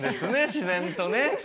自然とね。